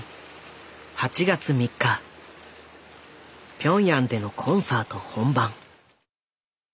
ピョンヤンでのコンサート本番。